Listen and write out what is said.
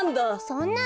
そんな！